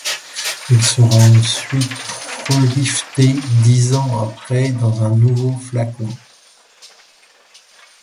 Il sera ensuite relifté dix ans après dans un nouveau flacon.